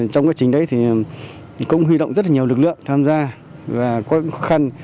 trong quá trình đấy thì cũng huy động rất là nhiều lực lượng tham gia và có khó khăn